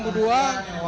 pelabuhan tanjung priok